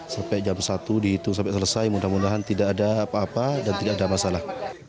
sampai jam satu dihitung sampai selesai mudah mudahan tidak ada apa apa dan tidak ada masalah